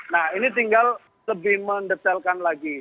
nah ini tinggal lebih mendetailkan lagi